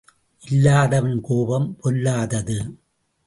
இல்லாதவன் கோபம் பொல்லாதது.